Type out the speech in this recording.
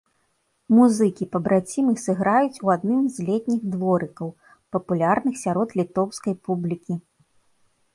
Музыкі-пабрацімы сыграюць у адным з летніх дворыкаў, папулярных сярод літоўскай публікі.